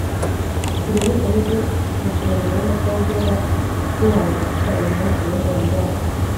Ibyo byose nibyo musemburo w’umuco wo guhora duhanga udushya uyu munsi n’ejo hazaza